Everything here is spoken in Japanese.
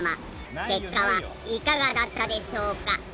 結果はいかがだったでしょうか？